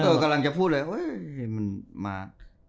เธอกำลังจะพูดเลย